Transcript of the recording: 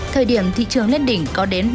thời điểm thị trường lên đỉnh có đến